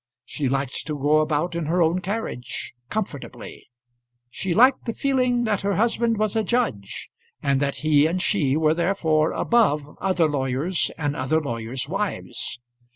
She liked to go about in her own carriage, comfortably. She liked the feeling that her husband was a judge, and that he and she were therefore above other lawyers and other lawyers' wives.